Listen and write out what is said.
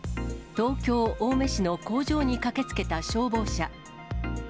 東京・青梅市の工場に駆けつけた消防車。